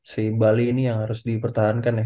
si bali ini yang harus dipertahankan ya